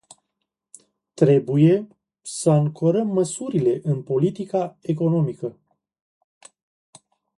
Trebuie să ancorăm măsurile în politica economică.